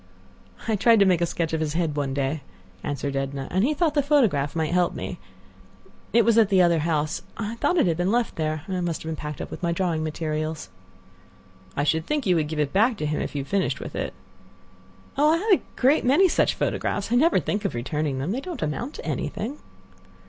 "I tried to make a sketch of his head one day," answered Edna, "and he thought the photograph might help me. It was at the other house. I thought it had been left there. I must have packed it up with my drawing materials." "I should think you would give it back to him if you have finished with it." "Oh! I have a great many such photographs. I never think of returning them. They don't amount to anything."